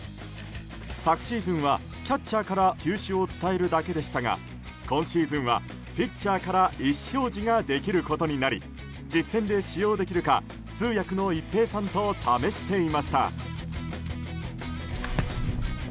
昨シーズンはキャッチャーから球種を伝えるだけでしたが今シーズンはピッチャーから意思表示ができることになり実戦で使用できるか通訳の一平さんと試していました。